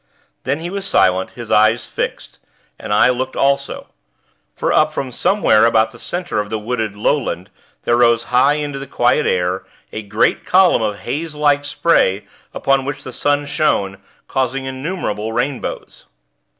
Then he was silent, his eyes fixed; and I looked also; for up from somewhere about the center of the wooded lowland there rose high into the quiet air a great column of hazelike spray, upon which the sun shone, causing innumerable rainbows.